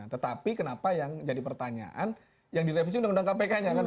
tetapi kenapa yang jadi pertanyaan yang direvisi undang undang kpk nya kan